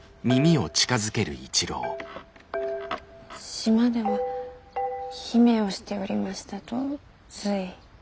島では姫をしておりましたとつい。